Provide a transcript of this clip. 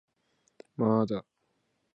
まーだ